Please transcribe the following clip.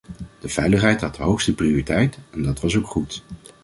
De veiligheid had de hoogste prioriteit, en dat was ook goed.